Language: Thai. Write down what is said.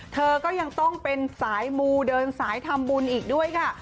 เธอก็ยังต้องเป็นสายมูเดินสายทำบุญอีกด้วยค่ะ